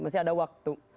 masih ada waktu